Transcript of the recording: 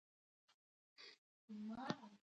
ایا ستاسو ویالې به روانې وي؟